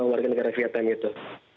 warga negara vietnam itu